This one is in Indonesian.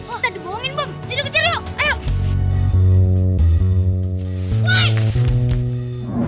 ayo mereka terbangin dulu